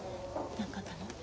何かあったの？